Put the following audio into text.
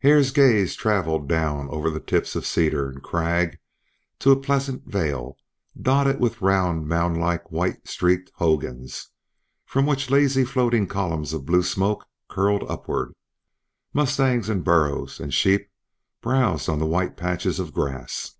Hare's gaze travelled down over the tips of cedar and crag to a pleasant vale, dotted with round mound like white streaked hogans, from which lazy floating columns of blue smoke curled upward. Mustangs and burros and sheep browsed on the white patches of grass.